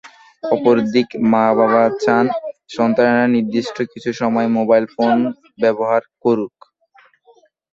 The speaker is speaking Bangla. অপরদিকে মা-বাবা চান, সন্তানেরা নির্দিষ্ট কিছু সময় মোবাইল ফোন ব্যবহার করুক।